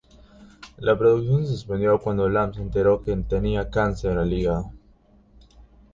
La producción se suspendió cuando Lam se enteró que tenía cáncer al hígado.